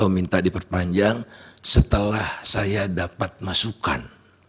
karena dia minta diperpanjang setelah saya dapat masukan